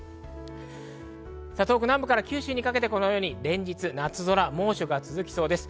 東北南部から九州にかけて連日の夏空、猛暑が続きそうです。